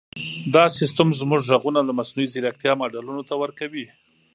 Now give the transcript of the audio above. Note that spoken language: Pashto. دا سیسټم زموږ ږغونه د مصنوعي ځیرکتیا ماډلونو ته ورکوي.